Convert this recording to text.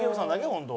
本当。